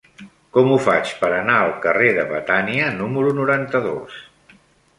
Com ho faig per anar al carrer de Betània número noranta-dos?